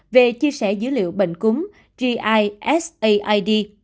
về chia sẻ dữ liệu bệnh cúng gisaid